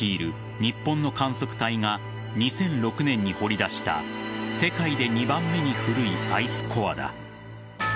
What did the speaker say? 日本の観測隊が２００６年に掘り出した世界で２番目に古いアイスコアだ。